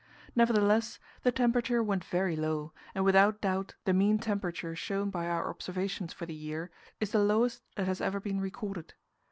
Nevertheless, the temperature went very low, and without doubt the mean temperature shown by our observations for the year is the lowest that has ever been recorded.